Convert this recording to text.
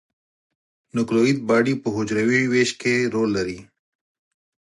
نوکلوئید باډي په حجروي ویش کې رول لري.